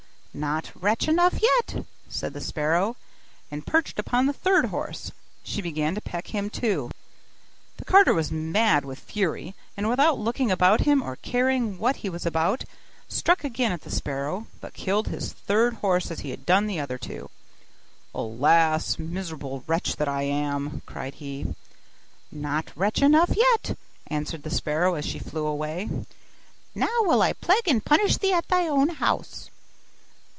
'Not wretch enough yet!' said the sparrow; and perching upon the third horse, she began to peck him too. The carter was mad with fury; and without looking about him, or caring what he was about, struck again at the sparrow; but killed his third horse as he done the other two. 'Alas! miserable wretch that I am!' cried he. 'Not wretch enough yet!' answered the sparrow as she flew away; 'now will I plague and punish thee at thy own house.